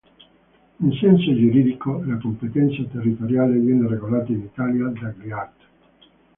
In senso giuridico, la competenza territoriale viene regolata, in Italia, dagli artt.